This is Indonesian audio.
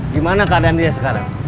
gimana keadaan dia sekarang